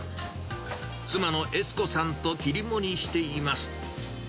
妻の悦子さんと切り盛りしています。